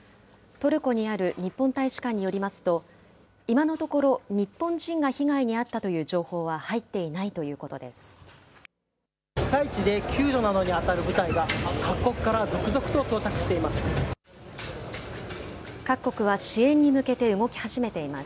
トルコにある日本大使館によりますと、今のところ、日本人が被害に遭ったという情報は入っていないということです。